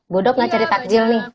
budok lah cari takjil nih